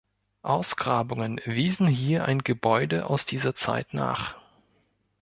Ausgrabungen wiesen hier ein Gebäude aus dieser Zeit nach.